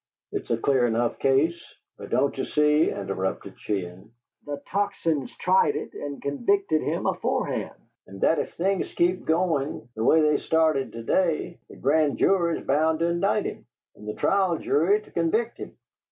It's a clear enough case." "But don't ye see," interrupted Sheehan, "the Tocsin's tried it and convicted him aforehand? And that if things keep goin' the way they've started to day, the gran' jury's bound to indict him, and the trial jury to convict him?